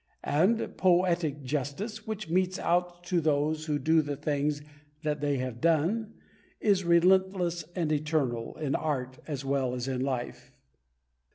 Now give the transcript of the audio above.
And "poetic justice," which metes out to those who do the things that they have done, is relentless and eternal, in art, as well as in life.